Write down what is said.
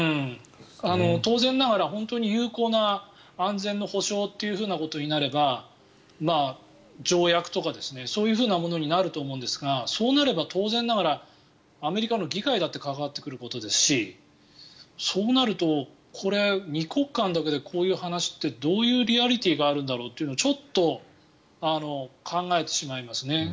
当然ながら本当に有効な安全の保障ということになれば条約とか、そういうものになると思うんですがそうなれば当然ながらアメリカの議会だって関わってくることですしそうなると、これ２国間だけでこういう話ってどういうリアリティーがあるんだろうってちょっと考えてしまいますね。